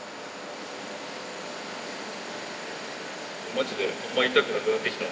マジであんま痛くなくなってきた。